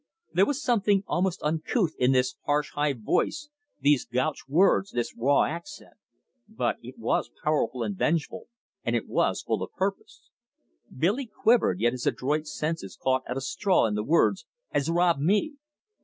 There was something almost uncouth in this harsh high voice, these gauche words, this raw accent; but it was powerful and vengeful, and it was full of purpose. Billy quivered, yet his adroit senses caught at a straw in the words, "as rob me!"